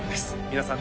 皆さん